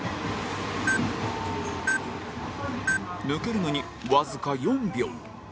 抜けるのにわずか４秒